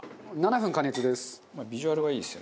７分加熱です。